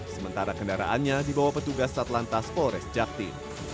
sementara kendaraannya dibawa petugas satlantas polres jakti